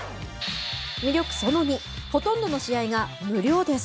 魅力その２、ほとんどの試合が無料です。